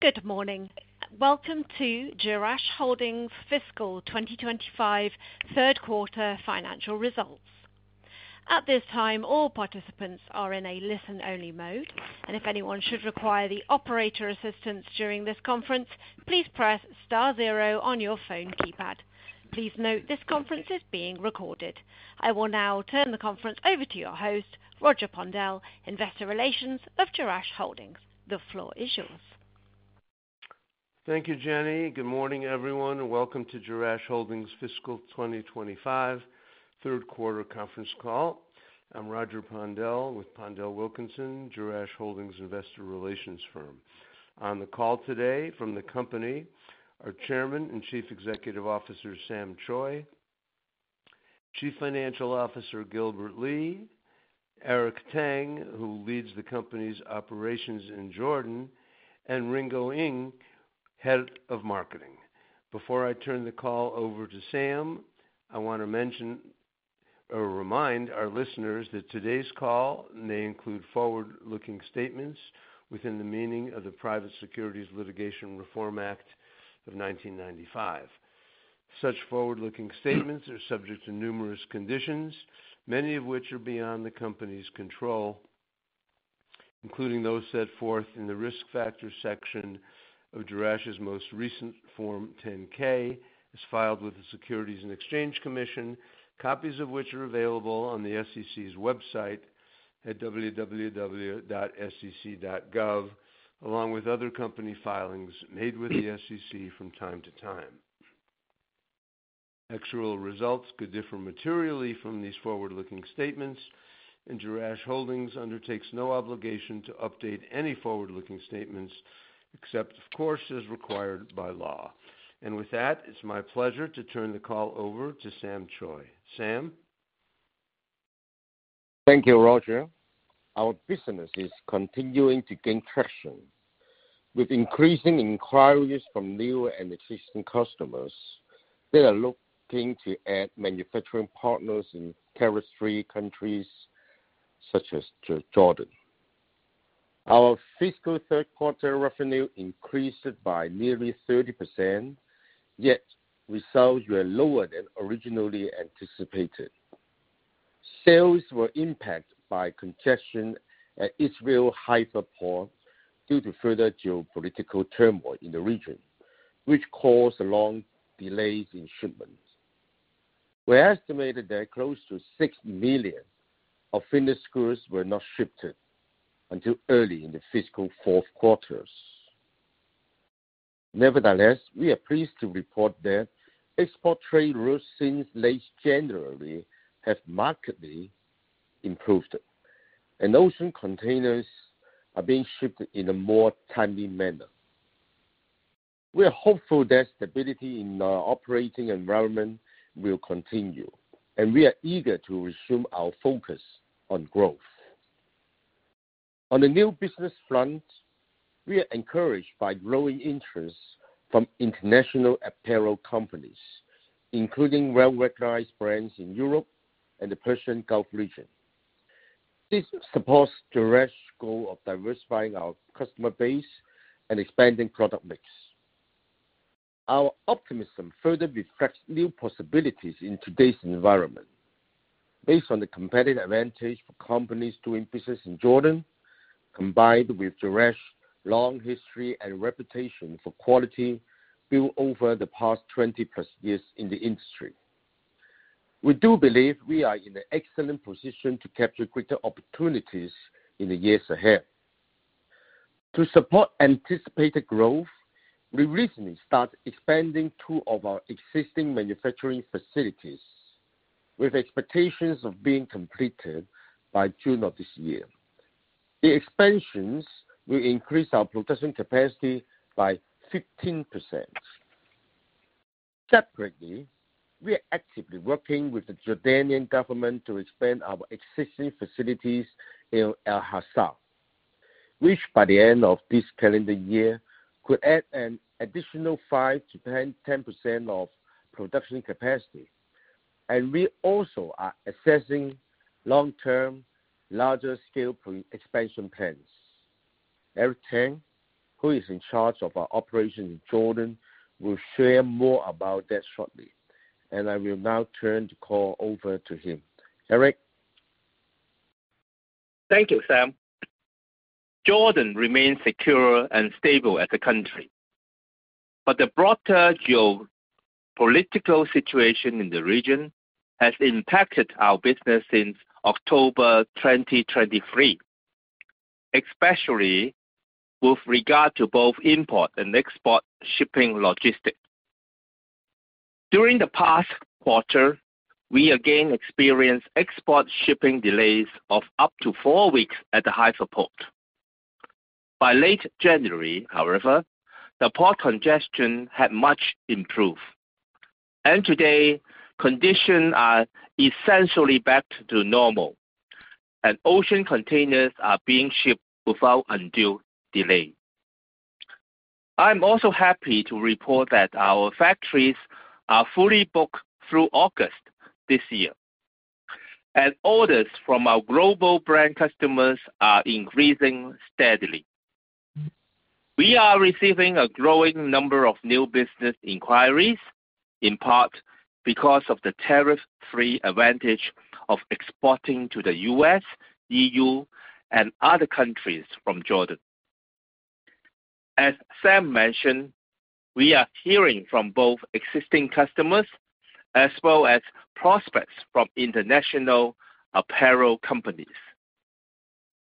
Good morning. Welcome to Jerash Holdings' fiscal 2025 third quarter financial results. At this time, all participants are in a listen-only mode, and if anyone should require the operator assistance during this conference, please press star zero on your phone keypad. Please note this conference is being recorded. I will now turn the conference over to your host, Roger Pondel, Investor Relations of Jerash Holdings. The floor is yours. Thank you, Jenny. Good morning, everyone, and welcome to Jerash Holdings' fiscal 2025 third quarter conference call. I'm Roger Pondel with Pondel Wilkinson, Jerash Holdings' investor relations firm. On the call today from the company are Chairman and Chief Executive Officer Sam Choi, Chief Financial Officer Gilbert Lee, Eric Tang, who leads the company's operations in Jordan, and Ringo Ng, Head of Marketing. Before I turn the call over to Sam, I want to remind our listeners that today's call may include forward-looking statements within the meaning of the Private Securities Litigation Reform Act of 1995. Such forward-looking statements are subject to numerous conditions, many of which are beyond the company's control, including those set forth in the risk factor section of Jerash's most recent Form 10-K, as filed with the Securities and Exchange Commission, copies of which are available on the SEC's website at www.sec.gov, along with other company filings made with the SEC from time to time. Actual results could differ materially from these forward-looking statements, and Jerash Holdings undertakes no obligation to update any forward-looking statements except, of course, as required by law. With that, it's my pleasure to turn the call over to Sam Choi. Sam? Thank you, Roger. Our business is continuing to gain traction. With increasing inquiries from new and existing customers, they are looking to add manufacturing partners in terrorist-free countries such as Jordan. Our fiscal third quarter revenue increased by nearly 30%, yet results were lower than originally anticipated. Sales were impacted by congestion at Haifa Port due to further geopolitical turmoil in the region, which caused long delays in shipments. We estimated that close to $6 million of finished goods were not shipped until early in the fiscal fourth quarter. Nevertheless, we are pleased to report that export trade routes since late January have markedly improved, and ocean containers are being shipped in a more timely manner. We are hopeful that stability in our operating environment will continue, and we are eager to resume our focus on growth. On the new business front, we are encouraged by growing interest from international apparel companies, including well-recognized brands in Europe and the Persian Gulf region. This supports Jerash's goal of diversifying our customer base and expanding product mix. Our optimism further reflects new possibilities in today's environment, based on the competitive advantage for companies doing business in Jordan, combined with Jerash's long history and reputation for quality built over the past 20-plus years in the industry. We do believe we are in an excellent position to capture greater opportunities in the years ahead. To support anticipated growth, we recently started expanding two of our existing manufacturing facilities, with expectations of being completed by June of this year. The expansions will increase our production capacity by 15%. Separately, we are actively working with the Jordanian government to expand our existing facilities in Al-Hasa, which by the end of this calendar year could add an additional 5%-10% of production capacity. We also are assessing long-term, larger-scale expansion plans. Eric Tang, who is in charge of our operations in Jordan, will share more about that shortly, and I will now turn the call over to him. Eric? Thank you, Sam. Jordan remains secure and stable as a country, but the broader geopolitical situation in the region has impacted our business since October 2023, especially with regard to both import and export shipping logistics. During the past quarter, we again experienced export shipping delays of up to four weeks at the Haifa Port. By late January, however, the port congestion had much improved, and today, conditions are essentially back to normal, and ocean containers are being shipped without undue delay. I am also happy to report that our factories are fully booked through August this year, and orders from our global brand customers are increasing steadily. We are receiving a growing number of new business inquiries, in part because of the tariff-free advantage of exporting to the US, EU, and other countries from Jordan. As Sam mentioned, we are hearing from both existing customers as well as prospects from international apparel companies.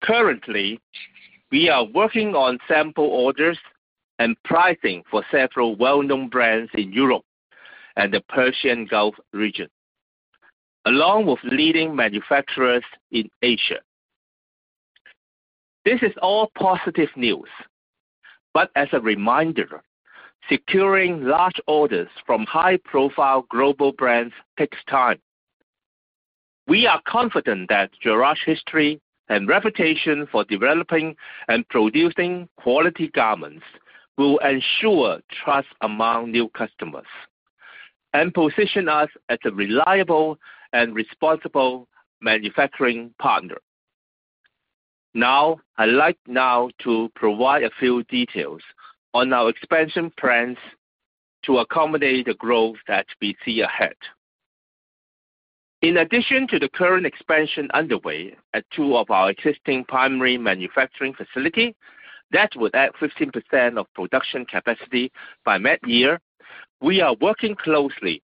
Currently, we are working on sample orders and pricing for several well-known brands in Europe and the Persian Gulf region, along with leading manufacturers in Asia. This is all positive news, but as a reminder, securing large orders from high-profile global brands takes time. We are confident that Jerash's history and reputation for developing and producing quality garments will ensure trust among new customers and position us as a reliable and responsible manufacturing partner. Now, I'd like to provide a few details on our expansion plans to accommodate the growth that we see ahead. In addition to the current expansion underway at two of our existing primary manufacturing facilities that would add 15% of production capacity by mid-year, we are working closely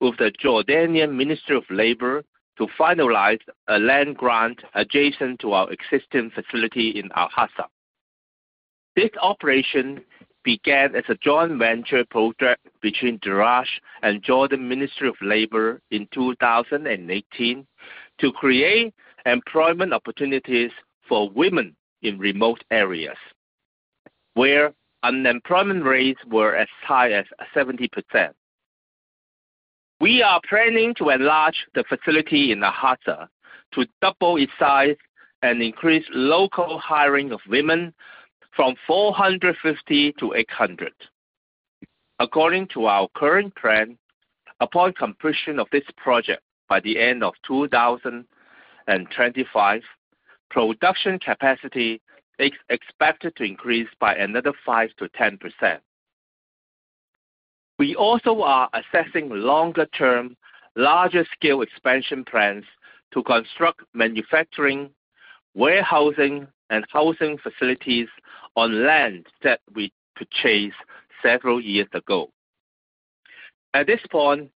with the Jordanian Ministry of Labor to finalize a land grant adjacent to our existing facility in Al-Hasa. This operation began as a joint venture project between Jerash and Jordan Ministry of Labor in 2018 to create employment opportunities for women in remote areas, where unemployment rates were as high as 70%. We are planning to enlarge the facility in Al-Hasa to double its size and increase local hiring of women from 450 to 800. According to our current plan, upon completion of this project by the end of 2025, production capacity is expected to increase by another 5%-10%. We also are assessing longer-term, larger-scale expansion plans to construct manufacturing, warehousing, and housing facilities on land that we purchased several years ago. At this point,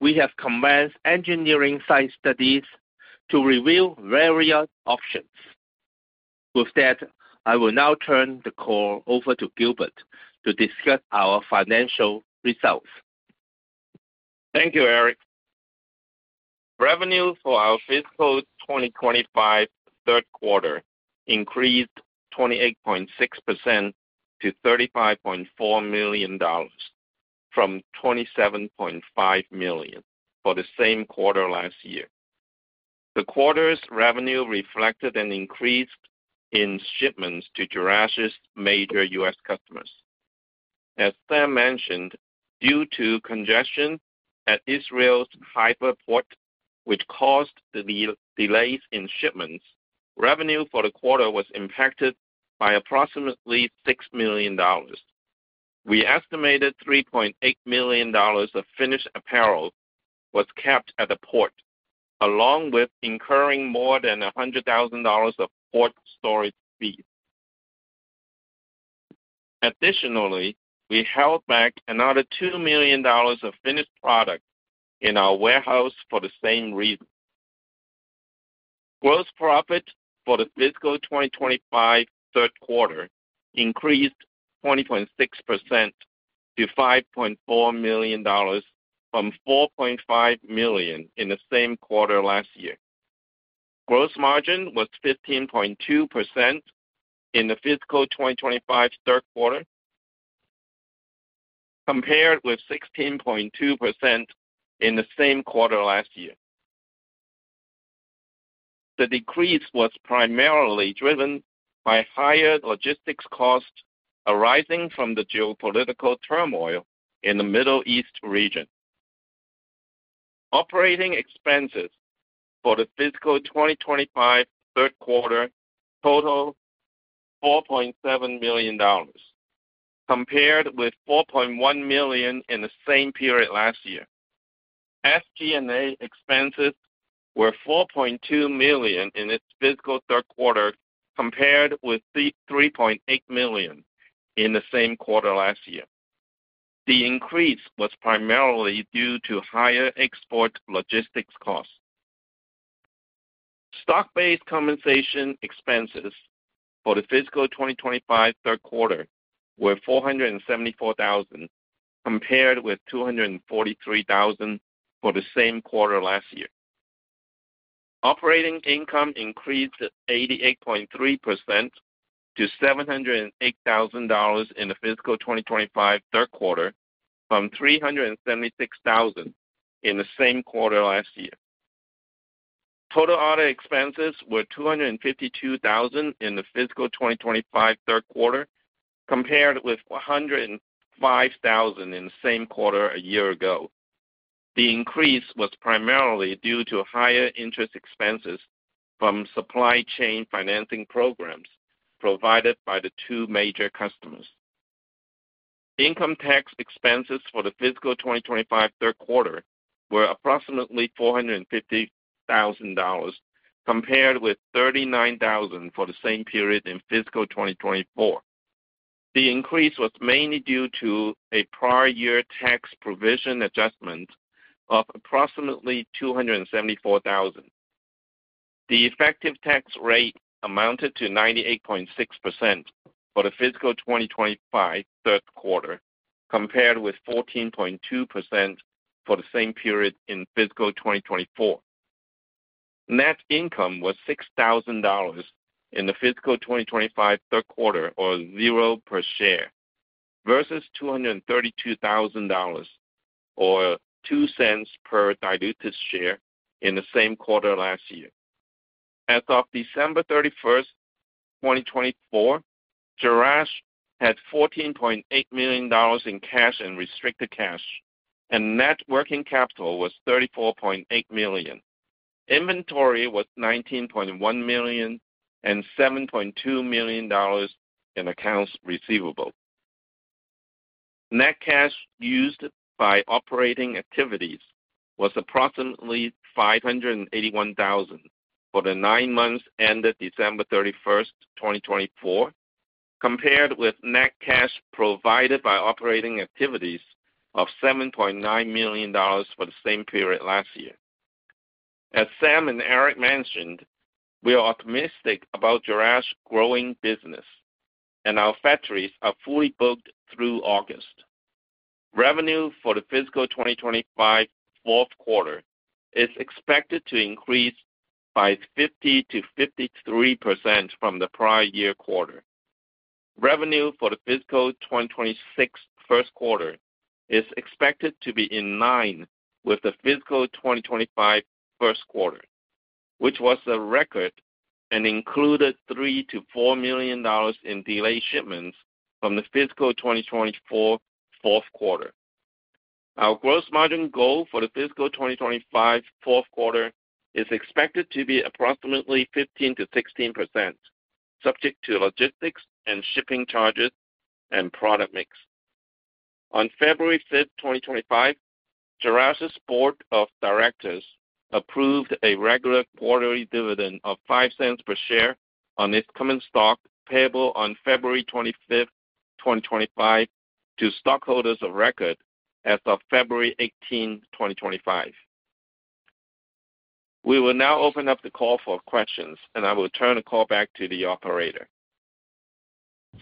we have commenced engineering site studies to reveal various options. With that, I will now turn the call over to Gilbert to discuss our financial results. Thank you, Eric. Revenue for our fiscal 2025 third quarter increased 28.6% to $35.4 million from $27.5 million for the same quarter last year. The quarter's revenue reflected an increase in shipments to Jerash's major US customers. As Sam mentioned, due to congestion at Israel's Haifa Port, which caused delays in shipments, revenue for the quarter was impacted by approximately $6 million. We estimated $3.8 million of finished apparel was kept at the port, along with incurring more than $100,000 of port storage fees. Additionally, we held back another $2 million of finished product in our warehouse for the same reason. Gross profit for the fiscal 2025 third quarter increased 20.6% to $5.4 million from $4.5 million in the same quarter last year. Gross margin was 15.2% in the fiscal 2025 third quarter, compared with 16.2% in the same quarter last year. The decrease was primarily driven by higher logistics costs arising from the geopolitical turmoil in the Middle East region. Operating expenses for the fiscal 2025 third quarter totaled $4.7 million, compared with $4.1 million in the same period last year. SG&A expenses were $4.2 million in its fiscal third quarter, compared with $3.8 million in the same quarter last year. The increase was primarily due to higher export logistics costs. Stock-based compensation expenses for the fiscal 2025 third quarter were $474,000, compared with $243,000 for the same quarter last year. Operating income increased 88.3% to $708,000 in the fiscal 2025 third quarter, from $376,000 in the same quarter last year. Total other expenses were $252,000 in the fiscal 2025 third quarter, compared with $405,000 in the same quarter a year ago. The increase was primarily due to higher interest expenses from supply chain financing programs provided by the two major customers. Income tax expenses for the fiscal 2025 third quarter were approximately $450,000, compared with $39,000 for the same period in fiscal 2024. The increase was mainly due to a prior year tax provision adjustment of approximately $274,000. The effective tax rate amounted to 98.6% for the fiscal 2025 third quarter, compared with 14.2% for the same period in fiscal 2024. Net income was $6,000 in the fiscal 2025 third quarter, or zero per share, versus $232,000, or 2 cents per diluted share in the same quarter last year. As of December 31, 2024, Jerash had $14.8 million in cash and restricted cash, and net working capital was $34.8 million. Inventory was $19.1 million and $7.2 million in accounts receivable. Net cash used by operating activities was approximately $581,000 for the nine months ended December 31, 2024, compared with net cash provided by operating activities of $7.9 million for the same period last year. As Sam and Eric mentioned, we are optimistic about Jerash's growing business, and our factories are fully booked through August. Revenue for the fiscal 2025 fourth quarter is expected to increase by 50%-53% from the prior year quarter. Revenue for the fiscal 2026 first quarter is expected to be in line with the fiscal 2025 first quarter, which was a record and included $3 million-4 million in delayed shipments from the fiscal 2024 fourth quarter. Our gross margin goal for the fiscal 2025 fourth quarter is expected to be approximately 15%-16%, subject to logistics and shipping charges and product mix. On February 5, 2025, Jerash's board of directors approved a regular quarterly dividend of $0.05 per share on its common stock, payable on February 25, 2025, to stockholders of record as of February 18, 2025. We will now open up the call for questions, and I will turn the call back to the operator.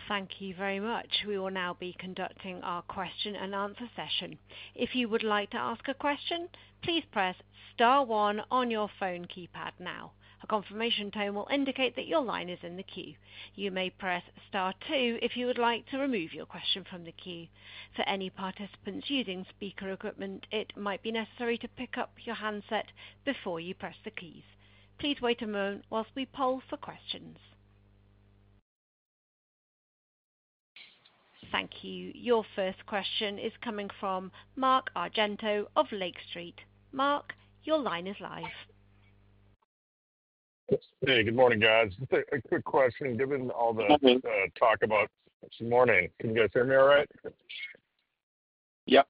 Thank you very much. We will now be conducting our question-and-answer session. If you would like to ask a question, please press Star 1 on your phone keypad now. A confirmation tone will indicate that your line is in the queue. You may press Star 2 if you would like to remove your question from the queue. For any participants using speaker equipment, it might be necessary to pick up your handset before you press the keys. Please wait a moment whilst we poll for questions. Thank you. Your first question is coming from Mark Argento of Lake Street. Mark, your line is live. Hey, good morning, guys. Just a quick question. Given all the talk about—good morning. Can you guys hear me all right? Yep.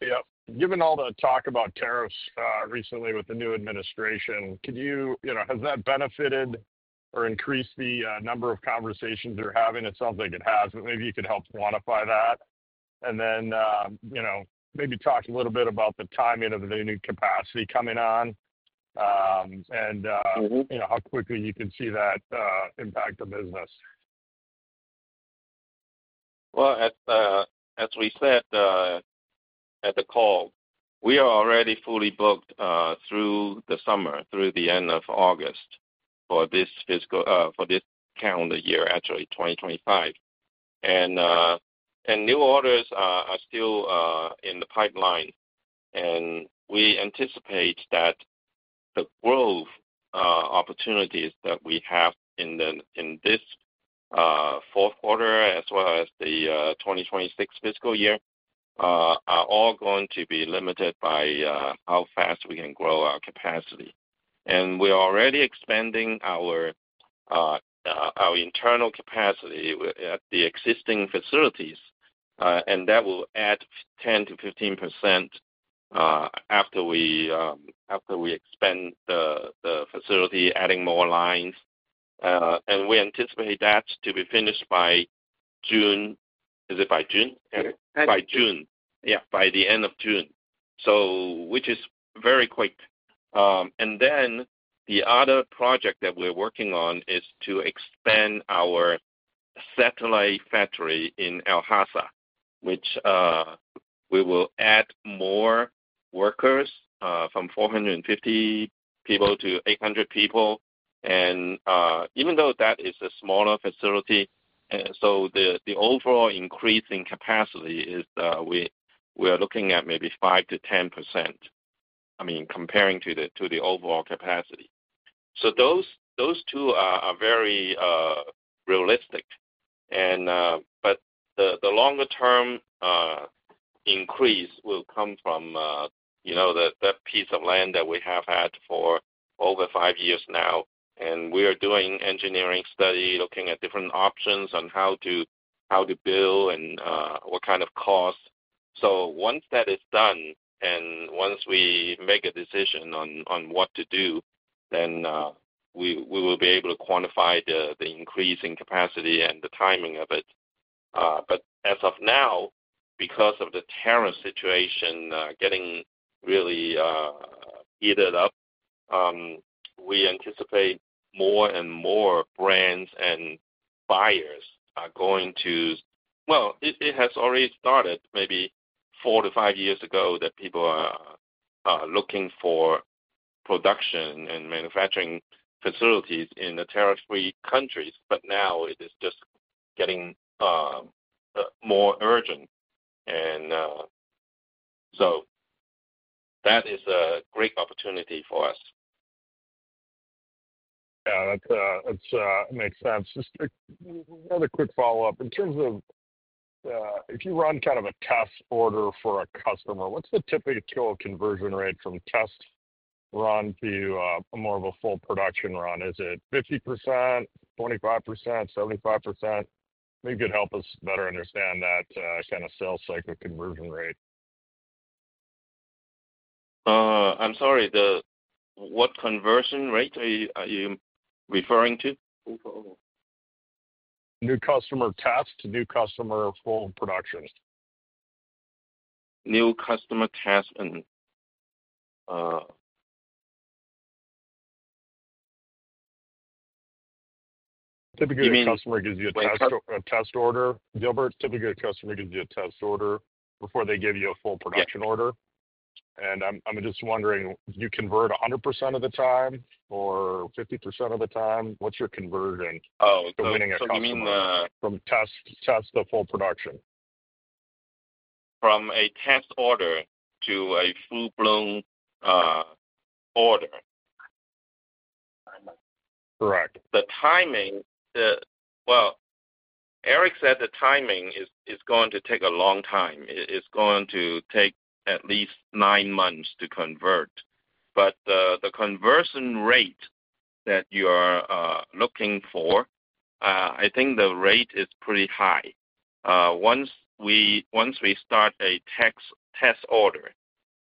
Yep. Given all the talk about tariffs recently with the new administration, could you—has that benefited or increased the number of conversations you're having? It sounds like it has, but maybe you could help quantify that. Maybe talk a little bit about the timing of the new capacity coming on and how quickly you can see that impact the business. As we said at the call, we are already fully booked through the summer, through the end of August for this calendar year, actually 2025. New orders are still in the pipeline, and we anticipate that the growth opportunities that we have in this fourth quarter, as well as the 2026 fiscal year, are all going to be limited by how fast we can grow our capacity. We are already expanding our internal capacity at the existing facilities, and that will add 10-15% after we expand the facility, adding more lines. We anticipate that to be finished by June—is it by June? June. By June. Yeah, by the end of June, which is very quick. The other project that we're working on is to expand our satellite factory in Al-Hasa, which we will add more workers from 450 people to 800 people. Even though that is a smaller facility, the overall increase in capacity is we are looking at maybe 5-10%, I mean, comparing to the overall capacity. Those two are very realistic, but the longer-term increase will come from that piece of land that we have had for over five years now. We are doing engineering study, looking at different options on how to build and what kind of costs. Once that is done and once we make a decision on what to do, we will be able to quantify the increase in capacity and the timing of it. As of now, because of the tariff situation getting really heated up, we anticipate more and more brands and buyers are going to—well, it has already started maybe four to five years ago that people are looking for production and manufacturing facilities in the tariff-free countries, but now it is just getting more urgent. That is a great opportunity for us. Yeah, that makes sense. Just another quick follow-up. In terms of if you run kind of a test order for a customer, what's the typical conversion rate from test run to more of a full production run? Is it 50%, 25%, 75%? Maybe you could help us better understand that kind of sales cycle conversion rate. I'm sorry, what conversion rate are you referring to? New customer test, new customer full production. New customer test and. Typically, a customer gives you a test order. Gilbert, typically, a customer gives you a test order before they give you a full production order. I'm just wondering, do you convert 100% of the time or 50% of the time? What's your conversion? Oh, okay. From test to full production. From a test order to a full-blown order. Correct. The timing, Eric said the timing is going to take a long time. It's going to take at least nine months to convert. The conversion rate that you are looking for, I think the rate is pretty high. Once we start a test order,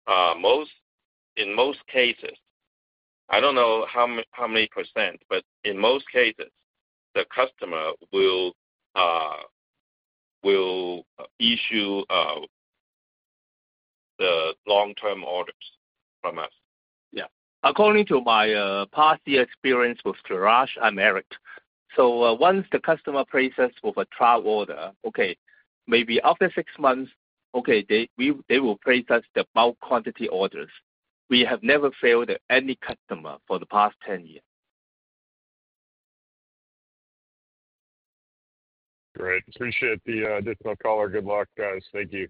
in most cases—I don't know how many percent, but in most cases, the customer will issue the long-term orders from us. Yeah. According to my past year experience with Jerash, I'm Eric. Once the customer places with a trial order, maybe after six months, they will place us the bulk quantity orders. We have never failed any customer for the past 10 years. Great. Appreciate the additional caller. Good luck, guys. Thank you.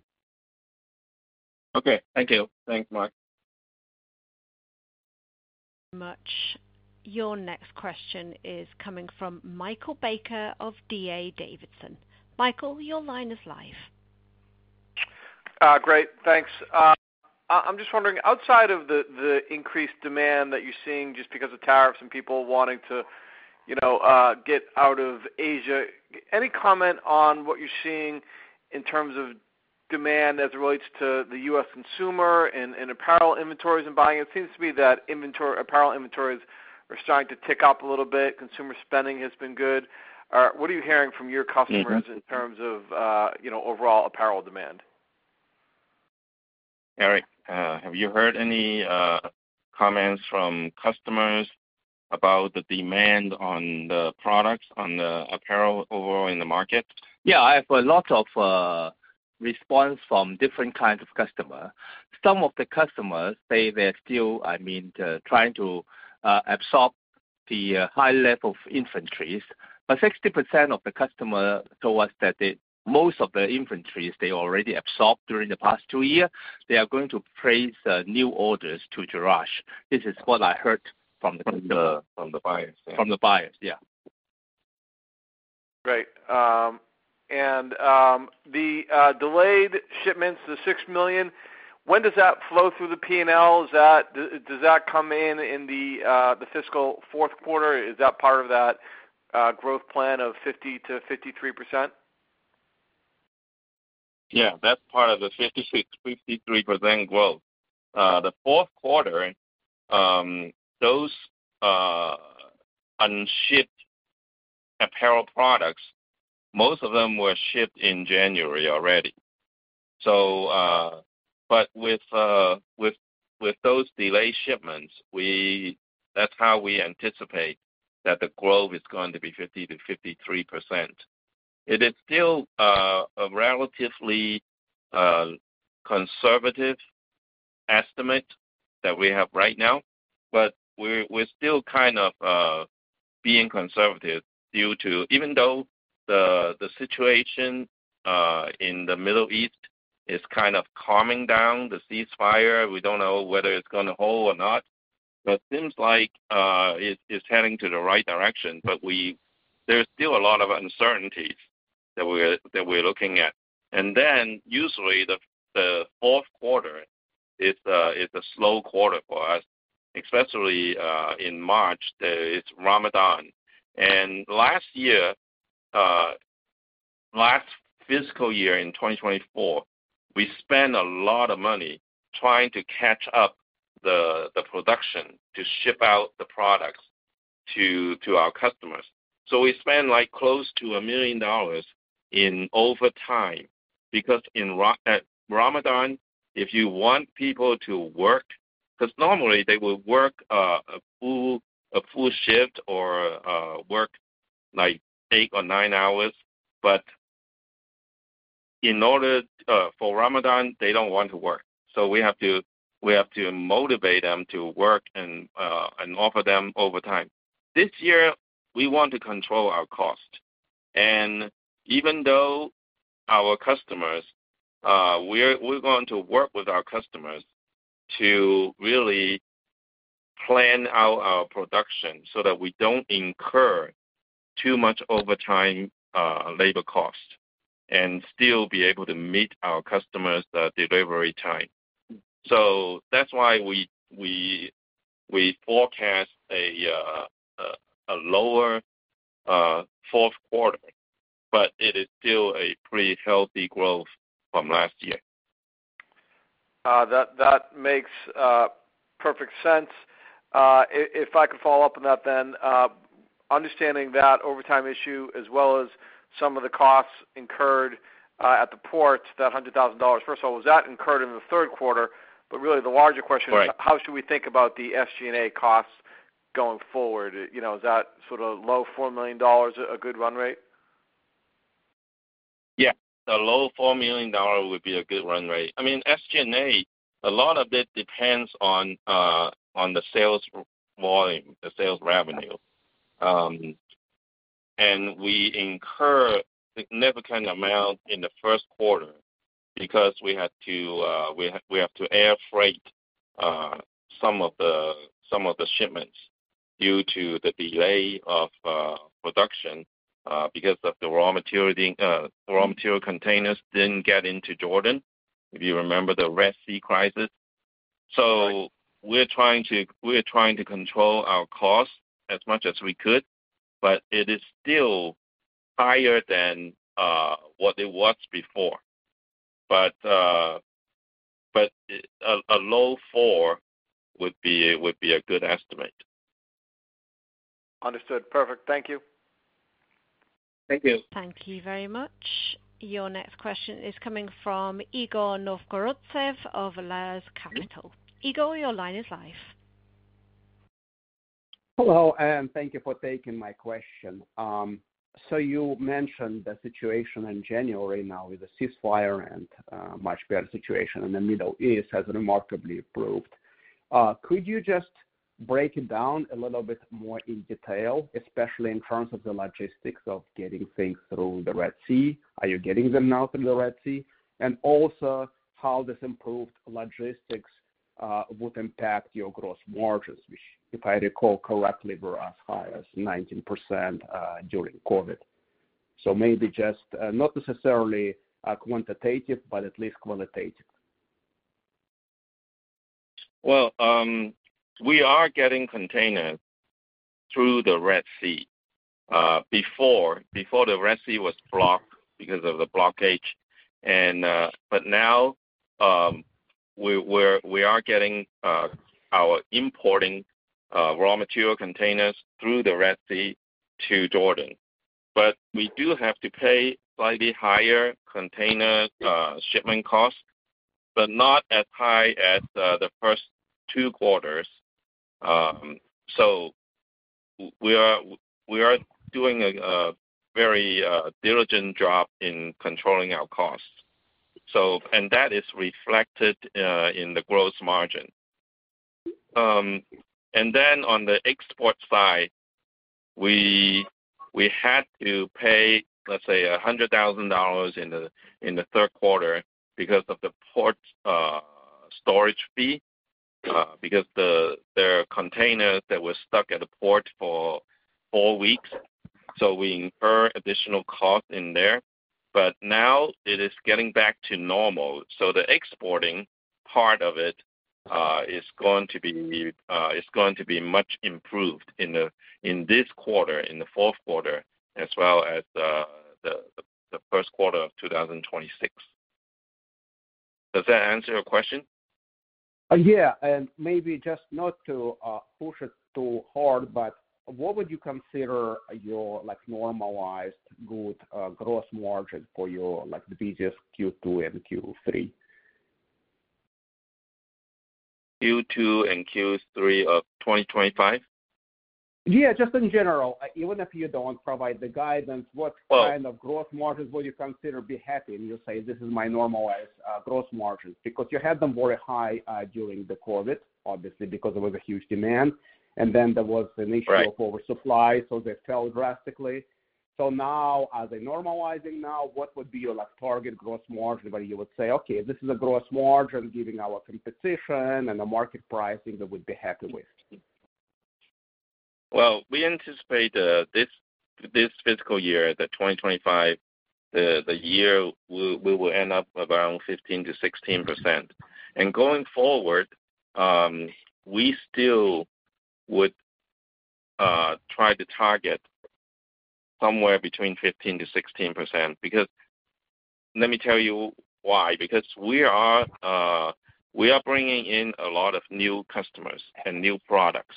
Okay. Thank you. Thanks, Mark. Thank you very much. Your next question is coming from Michael Baker of DA Davidson. Michael, your line is live. Great. Thanks. I'm just wondering, outside of the increased demand that you're seeing just because of tariffs and people wanting to get out of Asia, any comment on what you're seeing in terms of demand as it relates to the US consumer and apparel inventories and buying? It seems to be that apparel inventories are starting to tick up a little bit. Consumer spending has been good. What are you hearing from your customers in terms of overall apparel demand? Eric, have you heard any comments from customers about the demand on the products, on the apparel overall in the market? Yeah, I have a lot of responses from different kinds of customers. Some of the customers say they're still, I mean, trying to absorb the high level of inventories. 60% of the customers told us that most of the inventories they already absorbed during the past two years, they are going to place new orders to Jerash. This is what I heard from the. From the buyers. From the buyers, yeah. Great. The delayed shipments, the $6 million, when does that flow through the P&L? Does that come in in the fiscal fourth quarter? Is that part of that growth plan of 50-53%? Yeah, that's part of the 50-53% growth. The fourth quarter, those unshipped apparel products, most of them were shipped in January already. With those delayed shipments, that's how we anticipate that the growth is going to be 50-53%. It is still a relatively conservative estimate that we have right now, but we're still kind of being conservative due to, even though the situation in the Middle East is kind of calming down, the ceasefire, we don't know whether it's going to hold or not, but it seems like it's heading to the right direction. There is still a lot of uncertainties that we're looking at. Usually the fourth quarter is a slow quarter for us, especially in March. It's Ramadan. Last year, last fiscal year in 2024, we spent a lot of money trying to catch up the production to ship out the products to our customers. We spent close to $1 million in overtime because in Ramadan, if you want people to work, because normally they would work a full shift or work like eight or nine hours, but in order for Ramadan, they do not want to work. We have to motivate them to work and offer them overtime. This year, we want to control our cost. Even though our customers, we are going to work with our customers to really plan out our production so that we do not incur too much overtime labor cost and still be able to meet our customers' delivery time. That is why we forecast a lower fourth quarter, but it is still a pretty healthy growth from last year. That makes perfect sense. If I could follow up on that, then understanding that overtime issue as well as some of the costs incurred at the port, that $100,000, first of all, was that incurred in the third quarter? Really the larger question is, how should we think about the SG&A costs going forward? Is that sort of low $4 million a good run rate? Yeah. The low $4 million would be a good run rate. I mean, SG&A, a lot of it depends on the sales volume, the sales revenue. We incur a significant amount in the first quarter because we have to air freight some of the shipments due to the delay of production because the raw material containers did not get into Jordan, if you remember the Red Sea crisis. We are trying to control our costs as much as we could, but it is still higher than what it was before. A low four would be a good estimate. Understood. Perfect. Thank you. Thank you. Thank you very much. Your next question is coming from Igor Novgorodtsev of Lares Capital. Igor, your line is live. Hello, and thank you for taking my question. You mentioned the situation in January now with the ceasefire and much better situation in the Middle East has remarkably improved. Could you just break it down a little bit more in detail, especially in terms of the logistics of getting things through the Red Sea? Are you getting them now through the Red Sea? Also, how this improved logistics would impact your gross margins, which, if I recall correctly, were as high as 19% during COVID. Maybe just not necessarily quantitative, but at least qualitative. We are getting containers through the Red Sea before the Red Sea was blocked because of the blockage. Now we are getting our importing raw material containers through the Red Sea to Jordan. We do have to pay slightly higher container shipment costs, but not as high as the first two quarters. We are doing a very diligent job in controlling our costs. That is reflected in the gross margin. On the export side, we had to pay, let's say, $100,000 in the third quarter because of the port storage fee because there are containers that were stuck at the port for four weeks. We incur additional costs in there. Now it is getting back to normal. The exporting part of it is going to be much improved in this quarter, in the fourth quarter, as well as the first quarter of 2026. Does that answer your question? Yeah. Maybe just not to push it too hard, but what would you consider your normalized gross margin for the business Q2 and Q3? Q2 and Q3 of 2025? Yeah, just in general. Even if you do not provide the guidance, what kind of gross margins would you consider be happy and you say, "This is my normalized gross margin"? Because you had them very high during the COVID, obviously, because there was a huge demand. And then there was an issue of oversupply, so they fell drastically. As they are normalizing now, what would be your target gross margin where you would say, "Okay, this is a gross margin giving our competition and the market pricing that we would be happy with"? We anticipate this fiscal year, the 2025, the year we will end up around 15%-16%. Going forward, we still would try to target somewhere between 15%-16%. Let me tell you why. Because we are bringing in a lot of new customers and new products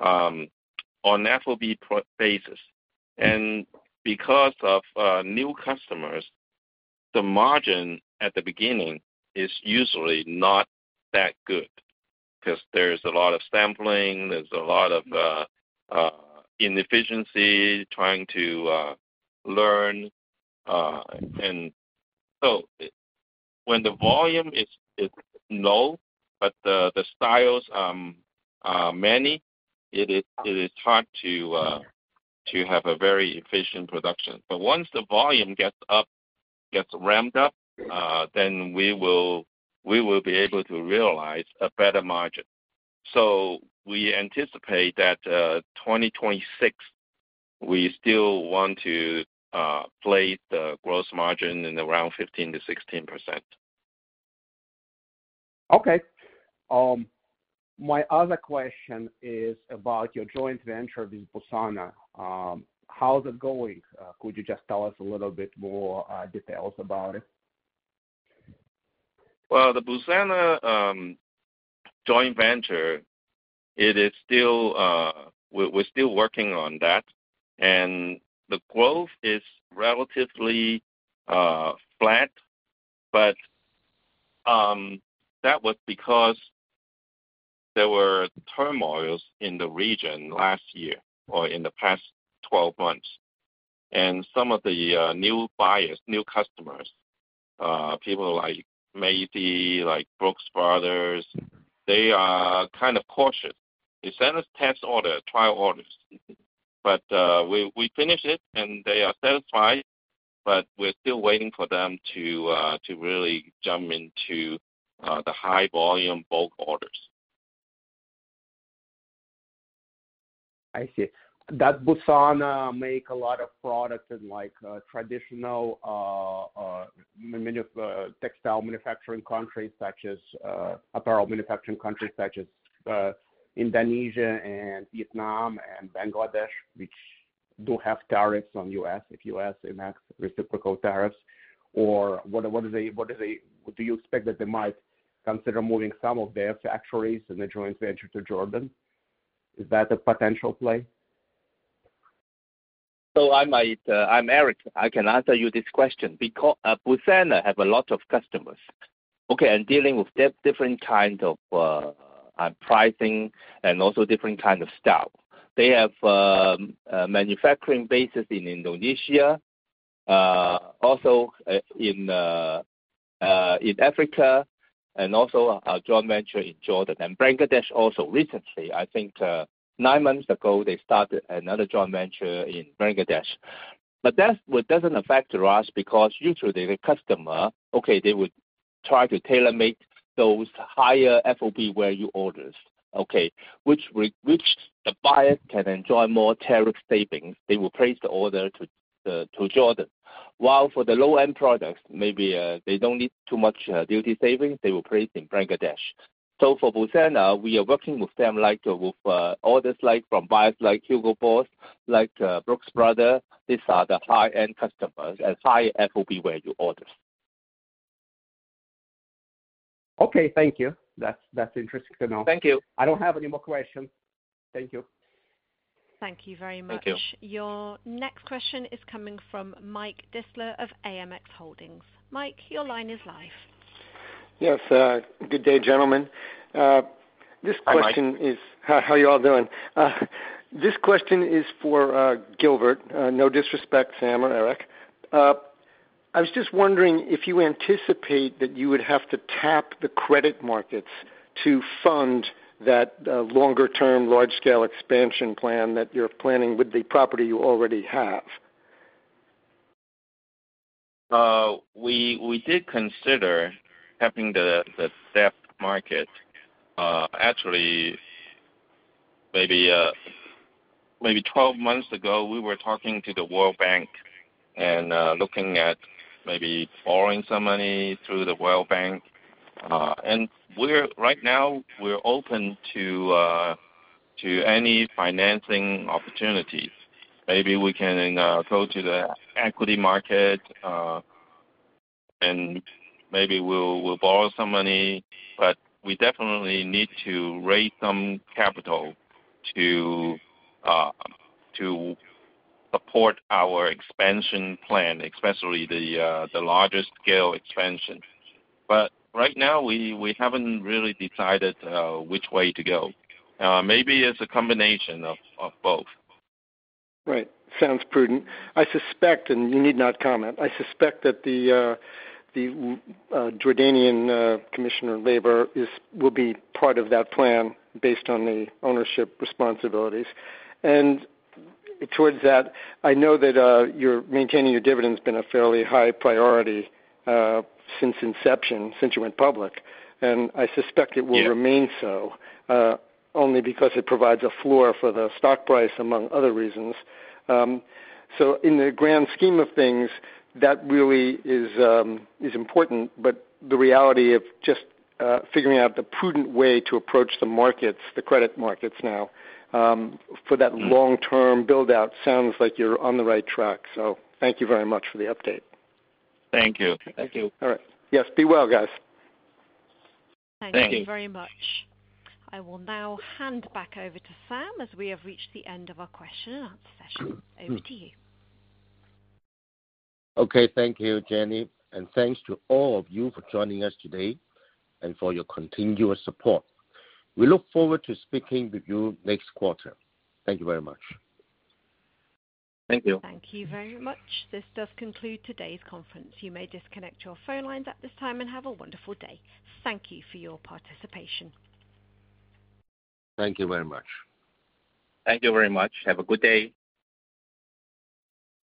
on an FOB basis. Because of new customers, the margin at the beginning is usually not that good because there is a lot of sampling, there is a lot of inefficiency, trying to learn. When the volume is low but the styles are many, it is hard to have a very efficient production. Once the volume gets ramped up, then we will be able to realize a better margin. We anticipate that 2026, we still want to place the gross margin in around 15%-16%. Okay. My other question is about your joint venture with Busana. How's it going? Could you just tell us a little bit more details about it? The Busana joint venture, we're still working on that. The growth is relatively flat, but that was because there were turmoils in the region last year or in the past 12 months. Some of the new buyers, new customers, people like Macy's, like Brooks Brothers, they are kind of cautious. They sent us test orders, trial orders. We finished it and they are satisfied, but we're still waiting for them to really jump into the high-volume bulk orders. I see. Does Busana make a lot of products in traditional textile manufacturing countries such as apparel manufacturing countries such as Indonesia and Vietnam and Bangladesh, which do have tariffs on the US if US enacts reciprocal tariffs? Or what do you expect that they might consider moving some of their factories and their joint venture to Jordan? Is that a potential play? I'm Eric. I can answer you this question. Busana have a lot of customers, okay, and dealing with different kinds of pricing and also different kinds of style. They have a manufacturing basis in Indonesia, also in Africa, and also a joint venture in Jordan. And Bangladesh also, recently, I think nine months ago, they started another joint venture in Bangladesh. That doesn't affect Jerash because usually the customer, okay, they would try to tailor-make those higher FOB value orders, okay, which the buyers can enjoy more tariff savings. They will place the order to Jordan. While for the low-end products, maybe they don't need too much duty savings, they will place in Bangladesh. For Busana, we are working with them like orders from buyers like Hugo Boss, like Brooks Brothers. These are the high-end customers and high FOB value orders. Okay. Thank you. That's interesting to know. Thank you. I don't have any more questions. Thank you. Thank you very much. Your next question is coming from Mike Distler of AMX Holdings. Mike, your line is live. Yes. Good day, gentlemen. This question is. Hi. How you all doing? This question is for Gilbert. No disrespect, Sam or Eric. I was just wondering if you anticipate that you would have to tap the credit markets to fund that longer-term large-scale expansion plan that you're planning with the property you already have. We did consider tapping the debt market. Actually, maybe 12 months ago, we were talking to the World Bank and looking at maybe borrowing some money through the World Bank. Right now, we're open to any financing opportunities. Maybe we can go to the equity market and maybe we'll borrow some money. We definitely need to raise some capital to support our expansion plan, especially the larger-scale expansion. Right now, we haven't really decided which way to go. Maybe it's a combination of both. Right. Sounds prudent. You need not comment. I suspect that the Jordanian Commissioner of Labor will be part of that plan based on the ownership responsibilities. Towards that, I know that you're maintaining your dividends have been a fairly high priority since inception, since you went public. I suspect it will remain so only because it provides a floor for the stock price among other reasons. In the grand scheme of things, that really is important. The reality of just figuring out the prudent way to approach the markets, the credit markets now for that long-term build-out sounds like you're on the right track. Thank you very much for the update. Thank you. Thank you. All right. Yes. Be well, guys. Thank you very much. I will now hand back over to Sam as we have reached the end of our question and answer session. Over to you. Okay. Thank you, Jenny. Thank you to all of you for joining us today and for your continuous support. We look forward to speaking with you next quarter. Thank you very much. Thank you. Thank you very much. This does conclude today's conference. You may disconnect your phone lines at this time and have a wonderful day. Thank you for your participation. Thank you very much. Thank you very much. Have a good day.